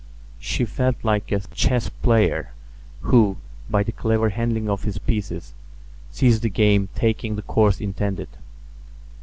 She felt like a chess player who, by the clever handling of his pieces, sees the game taking the course intended.